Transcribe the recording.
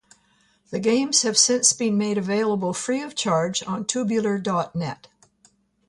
The games have since been made available free of charge on Tubular dot net.